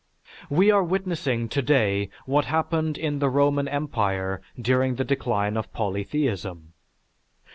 We are witnessing today what happened in the Roman empire during the decline of polytheism.